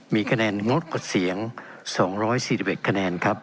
มีคะแนนงดกดเสียง๒๔๑คะแนนครับ